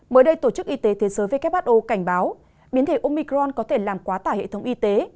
mới đây tổ chức y tế thế giới who cảnh báo biến thể omicron có thể làm quá tải hệ thống y tế